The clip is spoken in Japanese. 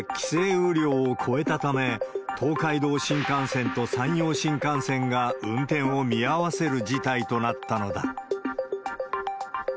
雨量を超えたため、東海道新幹線と山陽新幹線が運転を見合わせる事態となったのだ。